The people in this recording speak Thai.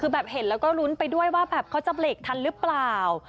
คือแบบเห็นแล้วก็ลุ้นไปด้วยว่าแบบเขาจะเบรกทันหรือเปล่า